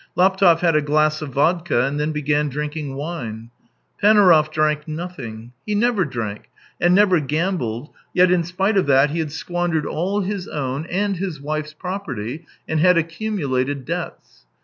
Laptev had a glass of vodka, and then began drinking wine. Panaurov drank nothing. He never drank, and never gambled, yet in spite igo THE TALES OF TCHEHOV of that he had squandered all his own and his wife's plroperty, and had accumulated debts.